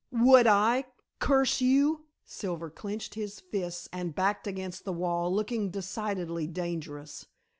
"Would I, curse you!" Silver clenched his fists and backed against the wall looking decidedly dangerous.